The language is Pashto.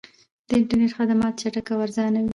د انټرنیټ خدمات چټک او ارزانه وي.